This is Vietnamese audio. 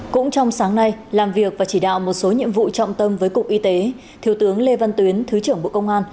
cũng trong sáng nay làm việc và chỉ đạo một số nhiệm vụ trọng tâm với cục y tế thiếu tướng lê văn tuyến thứ trưởng bộ công an